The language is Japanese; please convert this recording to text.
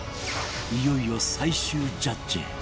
いよいよ最終ジャッジへ